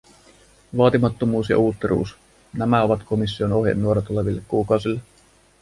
Vaatimattomuus ja uutteruus: nämä ovat komission ohjenuora tuleville kuukausille.